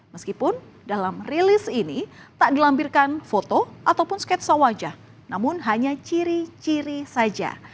meskipun dalam rilis ini tak dilampirkan foto ataupun sketsa wajah namun hanya ciri ciri saja